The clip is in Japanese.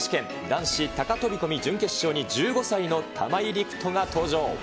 男子高飛び込み準決勝に１５歳の玉井陸斗が登場。